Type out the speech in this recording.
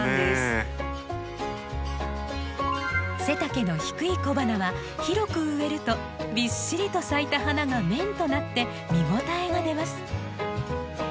背丈の低い小花は広く植えるとびっしりと咲いた花が面となって見応えが出ます。